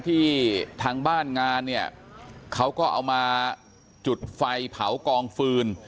ที่ทางบ้านงานเนี่ยเขาก็เอามาจุดไฟเผากองฟืน